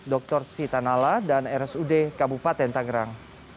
dr sitanala dan rsud kabupaten tangerang